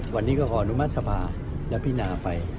วันนี้ก็ขออนุมัติสภาและพินาไป